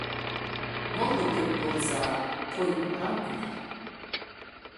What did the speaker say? موللا كۆپ بولسا، قوي ھارام ئۆلەر.